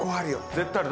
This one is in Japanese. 絶対ある。